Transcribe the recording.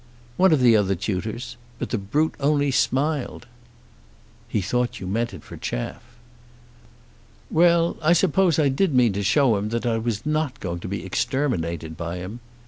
"One of the other tutors. But the brute only smiled." "He thought you meant it for chaff." "Well; I suppose I did mean to show him that I was not going to be exterminated by him.